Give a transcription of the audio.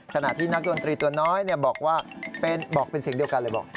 ขณะที่นักดนตรีตัวน้อยบอกว่าบอกเป็นเสียงเดียวกันเลยบอก